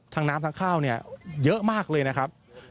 น้ำทั้งข้าวเนี่ยเยอะมากเลยนะครับ